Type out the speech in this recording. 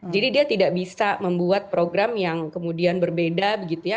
jadi dia tidak bisa membuat program yang kemudian berbeda begitu ya